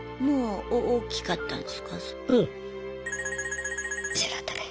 もう大きかったんですかその時。